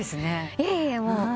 いえいえもう。